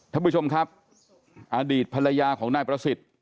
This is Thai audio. ท่านผู้ชมครับอดีตภรรยาของนายประสิทธิ์